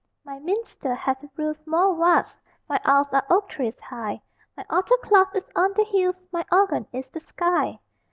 My minster hath a roof more vast: My aisles are oak trees high; My altar cloth is on the hills, My organ is the sky.